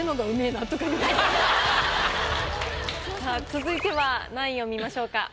続いては何位を見ましょうか？